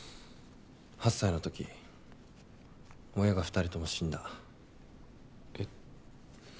８歳の時親がふたりとも死んだ。え。